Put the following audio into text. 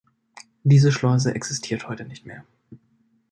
Diese Schleuse existiert heute nicht mehr.